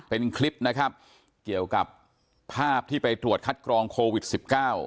เป็นคลิปนะครับเกี่ยวกับภาพที่ไปตรวจคัดกรองโควิดสิบเก้า